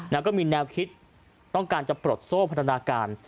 แล้วก็มีแนวคิดต้องการจะปลดโซ่พัฒนาการ